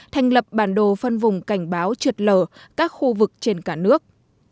thành lập bản đồ phân vùng cảnh báo trượt lở các khu vực trên cả nước